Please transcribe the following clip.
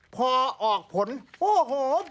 พอออกผลโอ้โห